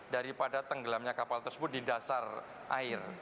daripada tenggelamnya kapal tersebut di dasar air